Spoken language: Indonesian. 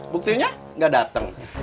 buktinya gak dateng